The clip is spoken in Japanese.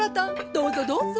どうぞどうぞ。